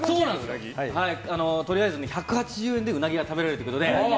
とりあえず、１８０円でうなぎが食べられるということで。